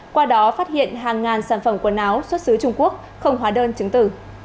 qua đó phát hiện hàng ngàn sản phẩm quần áo xuất xứ trung quốc không hóa đơn chứng tử